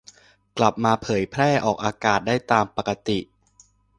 กลับมาเผยแพร่ออกอากาศได้ตามปกติ